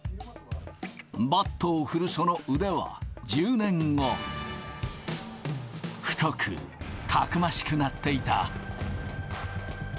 バットを振るその腕は、１０年後、太く、たくましくなっていた。